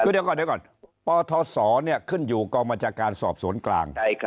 เดี๋ยวก่อนปทศขึ้นอยู่กรรมรัชการสอบส่วนกลาง